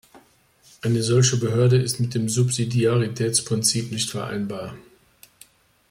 Eine solche Behörde ist mit dem Subsidiaritätsprinzip nicht vereinbar.